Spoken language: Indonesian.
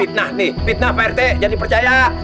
fitnah nih fitnah pak rt jangan dipercaya